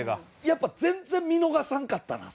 やっぱ全然見逃さんかったな